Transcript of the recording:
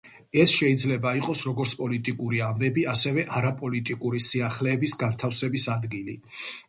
ეს შეიძლება იყოს, როგორც პოლიტიკური ამბები, ასევე არაპოლიტიკური სიახლეების განთავსების ადგილი.